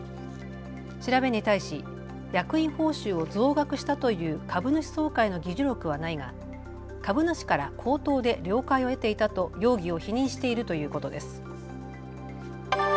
調べに対し役員報酬を増額したという株主総会の議事録はないが株主から口頭で了解を得ていたと容疑を否認しているということです。